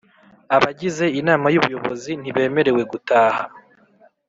Abagize Inama y Ubuyobozi ntibemerewe gutaha